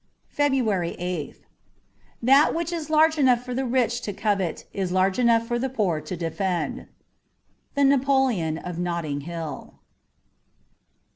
'' 43 FEBRUARY 8th T HAT which is large enough for the rich to covet is large enough for the poor to defend. ' The Napoleon ef Netting Hill.'